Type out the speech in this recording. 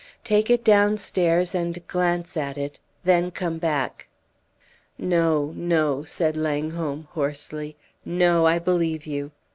Take it downstairs and glance at it then come back." "No, no," said Langholm, hoarsely; "no, I believe you!